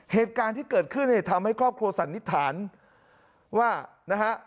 เหตุการณ์ที่เกิดขึ้นเนี่ยทำให้ครอบครัวสันนิษฐานว่านะฮะ